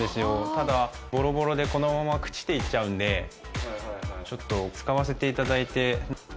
ただ、ぼろぼろでこのまま朽ちていっちゃうんで、ちょっと使わせていただいて。